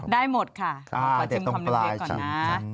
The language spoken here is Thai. ได้หมดค่ะปอกยัดชิมของพี่เพียกก่อนนะ